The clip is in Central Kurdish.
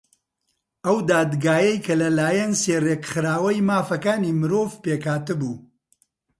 ئەو دادگایە کە لەلایەن سێ ڕێکخراوەی مافەکانی مرۆڤ پێک هاتبوو